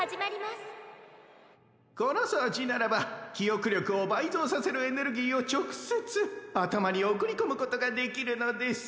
このそうちならばきおくりょくをばいぞうさせるエネルギーをちょくせつあたまにおくりこむことができるのです。